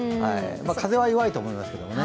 風は弱いと思いますけどね。